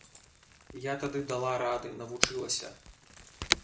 Я тады дала рады, навучылася.